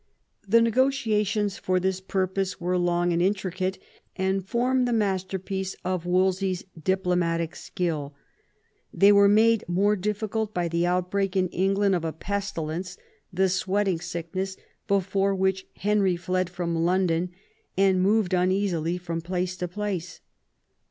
The negotiations for this purpose were long and intricate, and form the masterpiece of Wolsey's diplo matic skill. They were made mdre difficult by the out break in England of a pestilence, the sweating sickness, before which Henry fled from London and moved un easily from place to place.